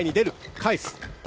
返す。